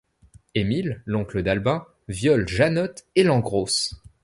Emile, l'oncle d'Albin viole Janotte et l'engrosse.